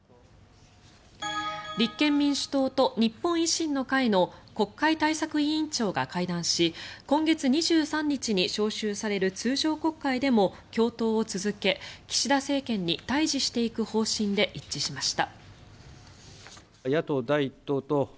立憲民主党と日本維新の会の国会対策委員長が会談し今月２３日に召集される通常国会でも共闘を続け岸田政権に対峙していく方針で一致しました。